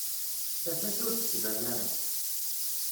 Tafat ur d-tban ara